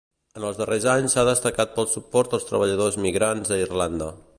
En els darrers anys s'ha destacat pel suport als treballadors migrants a Irlanda.